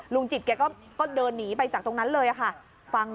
ลุงจิตแกก็เดินหนีไปจากตรงนั้นเลยค่ะ